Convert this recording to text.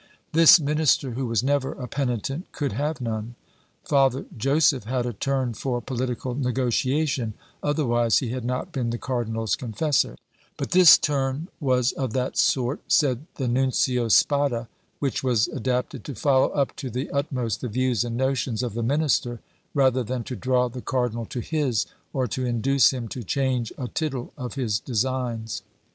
This minister, who was never a penitent, could have none. Father Joseph had a turn for political negotiation, otherwise he had not been the cardinal's confessor; but this turn was of that sort, said the nuncio Spada, which was adapted to follow up to the utmost the views and notions of the minister, rather than to draw the cardinal to his, or to induce him to change a tittle of his designs.